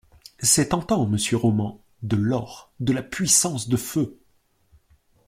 C’est tentant monsieur Roman. De l’or, de la puissance de feu.